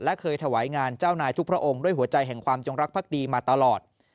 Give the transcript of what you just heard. และเคยถวายงานเจ้านายทุกพระองค์ด้วยหัวใจแห่งความจงรักภักดีมาตลอด